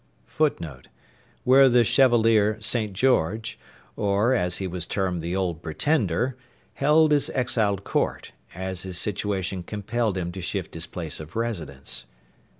[Footnote: Where the Chevalier St. George, or, as he was termed, the Old Pretender, held his exiled court, as his situation compelled him to shift his place of residence.